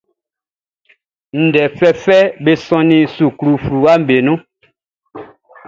Ndɛ fɛfɛʼm be sɔnnin suklu fluwaʼm be nun.